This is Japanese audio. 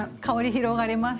広がります。